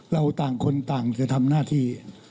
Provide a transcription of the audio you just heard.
เราต่างคนต่างจะทำหน้าที่